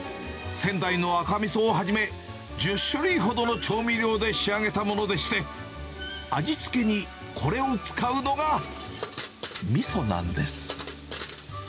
仙台の赤みそをはじめ、１０種類ほどの調味料で仕上げたものでして、味付けにこれを使うのがみそなんです。